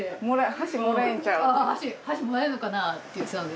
箸もらえるかなって言ってたんで。